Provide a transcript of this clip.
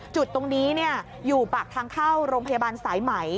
จุดตรงนี้อยู่ปากทางเข้าโรงพยาบาลสายไหม